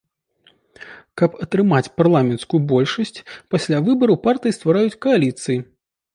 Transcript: Каб атрымаць парламенцкую большасць, пасля выбараў партыі ствараюць кааліцыі.